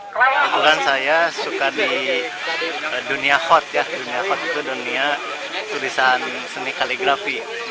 kebetulan saya suka di dunia hot ya dunia hot itu dunia tulisan seni kaligrafi